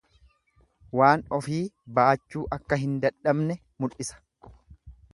Waan ofii baachuu akka hin dadhabne mul'isa.